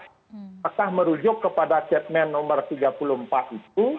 apakah merujuk kepada setmen nomor tiga puluh empat itu